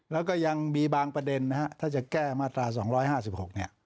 แล้วก็ยังมีบางประเด็นนะฮะถ้าจะแก้มาตรา๒๕๖เนี่ย